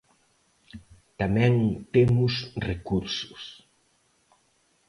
Tamén temos recursos.